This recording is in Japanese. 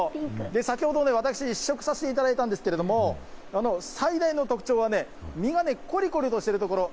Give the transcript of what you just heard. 先ほどね、私、試食させていただいたんですけれども、最大の特徴は、身がね、こりこりしているところ。